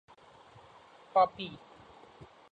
Papi!